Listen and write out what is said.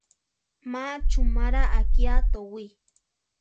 Má chumara akiá towí.